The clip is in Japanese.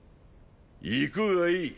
行くがいい。